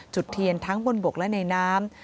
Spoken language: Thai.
จุดเทียนทั้งบนบกและในน้ำ